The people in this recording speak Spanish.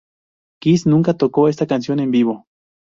Kiss nunca tocó esta canción en vivo.